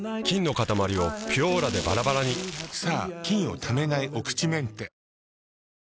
菌のかたまりを「ピュオーラ」でバラバラにさぁ菌をためないお口メンテ。